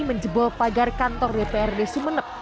menjebol pagar kantor dprd sumeneb